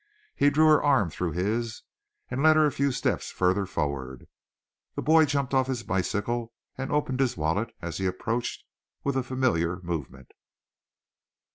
He drew her arm through his, and led her a few steps further forward. The boy jumped off his bicycle and opened his wallet, as he approached, with a familiar movement.